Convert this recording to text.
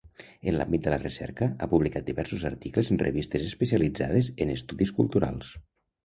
En l’àmbit de la recerca, ha publicat diversos articles en revistes especialitzades en estudis culturals.